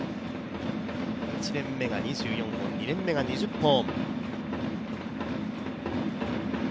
１年目が２４本、２年目が２０本。